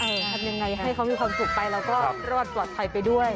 ทำยังไงให้เขามีความสุขไปแล้วก็รอดปลอดภัยไปด้วย